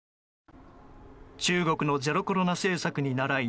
中国のゼロコロナ政策に倣い